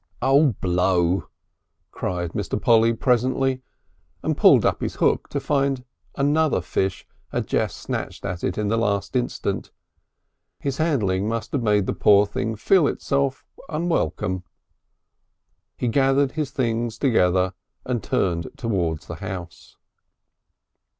"Oh blow!" cried Mr. Polly presently, and pulled up his hook to find another fish had just snatched at it in the last instant. His handling must have made the poor thing feel itself unwelcome. He gathered his things together and turned towards the house.